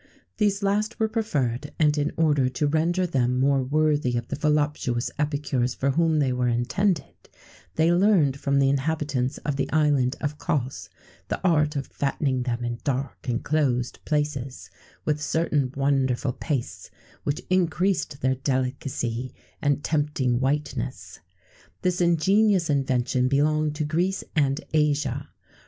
These last were preferred, and, in order to render them more worthy of the voluptuous epicures for whom they were intended, they learned from the inhabitants of the island of Cos the art of fattening them in dark and closed places, with certain wonderful pastes, which increased their delicacy and tempting whiteness.[XVII 12] This ingenious invention belonged to Greece and Asia.